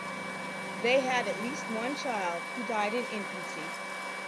They had at least once child, who died in infancy.